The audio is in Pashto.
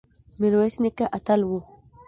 میرویس نیکه اتل و